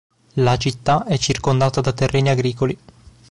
La città è circondata da terreni agricoli.